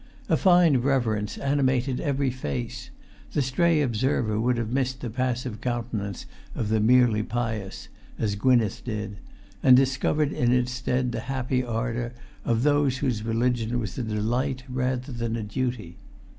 A fine reverence animated every face: the stray observer would have missed the passive countenance of the merely pious, as Gwynneth did, and discovered in its stead the happy ardour of those whose religion was a delight rather than a duty.